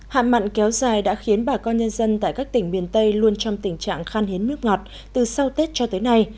hạ mặn kéo dài đã khiến bà con nhân dân tại các tỉnh miền tây luôn trong tình trạng khan hiến nước ngọt từ sau tết cho tới nay